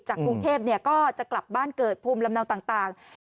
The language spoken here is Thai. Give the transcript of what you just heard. กรุงเทพก็จะกลับบ้านเกิดภูมิลำเนาต่าง